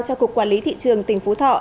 cho cục quản lý thị trường tỉnh phú thọ